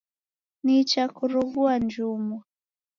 Nicha kuroghua njumwa.